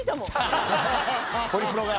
ホリプロが。